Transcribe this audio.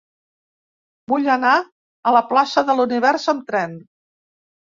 Vull anar a la plaça de l'Univers amb tren.